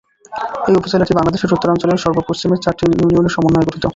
এই উপজেলাটি বাংলাদেশের উত্তরাঞ্চলের সর্ব পশ্চিমের চারটি ইউনিয়নের সমন্বয়ে গঠিত।